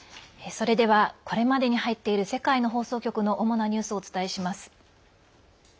それではこれまでに入っている世界の放送局の主なニュースをお伝えします。